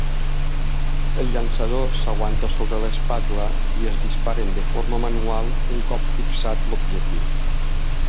El llançador s'aguanta sobre l'espatlla i es disparen de forma manual un cop fixat l'objectiu.